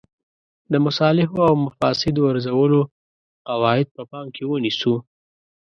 د مصالحو او مفاسدو ارزولو قواعد په پام کې ونیسو.